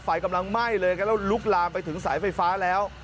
ไฟกำลังไหม้เลยครับแล้วลุกลามไปถึงสายไฟฟ้าแล้ว